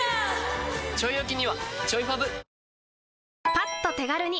パッと手軽に！